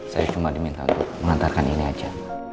saya cuma diminta untuk mengantarkan ini aja